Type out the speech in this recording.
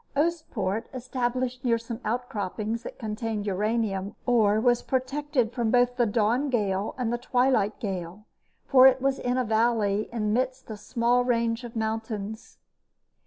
Oostpoort, established near some outcroppings that contained uranium ore, was protected from both the Dawn Gale and the Twilight Gale, for it was in a valley in the midst of a small range of mountains.